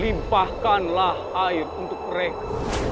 limpahkanlah air untuk mereka